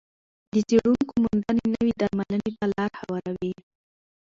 د څېړونکو موندنې نوې درملنې ته لار هواروي.